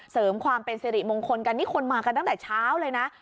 เสริมความเป็นสิริมงคลกันนี่คนมากันตั้งแต่เช้าเลยนะ